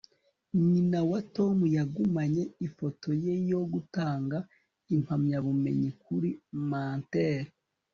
nyina wa tom yagumanye ifoto ye yo gutanga impamyabumenyi kuri mantel